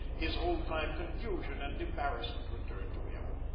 His old time confusion and embarrassment returned to him.